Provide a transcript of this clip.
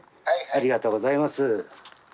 ありがとうございます。